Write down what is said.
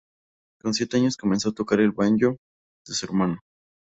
Con siete años comenzó a tocar el banjo de su hermano.